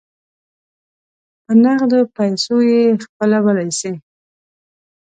په نغدو پیسو یې خپلولای سی.